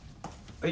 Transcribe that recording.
はい。